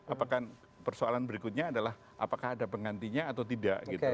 apakah persoalan berikutnya adalah apakah ada pengantinya atau tidak